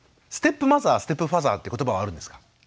ステップマザーステップファーザーって言葉はあるんですか？